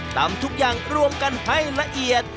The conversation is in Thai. ทำทุกอย่างรวมกันให้ละเอียด